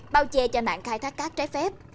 bao che cho nạn khai thác các trái phép